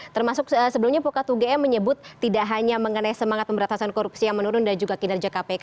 termasuk sebelumnya pokatu gm menyebut tidak hanya mengenai semangat pemberantasan korupsi yang menurun dan juga kinerja kpk